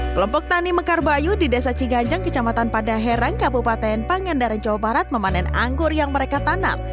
kelompok tani mekar bayu di desa ciganjang kecamatan pada herang kabupaten pangandaran jawa barat memanen anggur yang mereka tanam